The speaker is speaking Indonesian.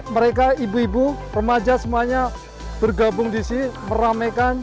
mereka ibu ibu remaja semuanya bergabung di sini meramaikan